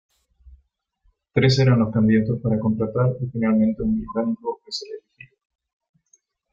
Tres eran los candidatos para contratar y finalmente un británico es el elegido.